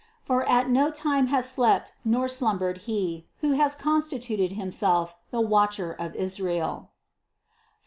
For at no time has slept nor slumbered He, who has constituted Himself the watcher of Israel (Ps.